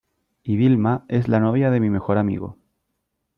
y Vilma es la novia de mi mejor amigo .